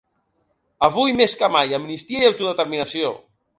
Avui més que mai; amnistia i autodeterminació.